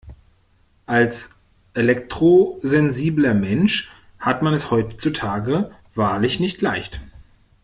Als elektrosensibler Mensch hat man es heutzutage wahrlich nicht leicht.